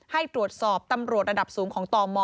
ให้ตรวจสอบตำรวจระดับสูงของตม